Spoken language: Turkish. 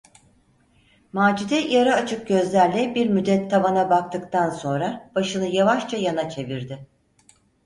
Macide yarı açık gözlerle bir müddet tavana baktıktan sonra başını yavaşça yana çevirdi.